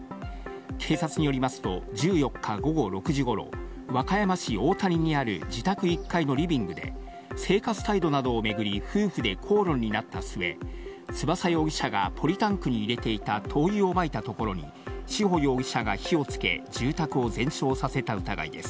警察によりますと、１４日午後６時ごろ、和歌山市大谷にある自宅１階のリビングで、生活態度などを巡り夫婦で口論になった末、翼容疑者がポリタンクに入れていた灯油をまいたところに、志保容疑者が火をつけ、住宅を全焼させた疑いです。